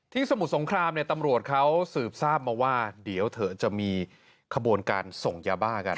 สมุทรสงครามเนี่ยตำรวจเขาสืบทราบมาว่าเดี๋ยวเธอจะมีขบวนการส่งยาบ้ากัน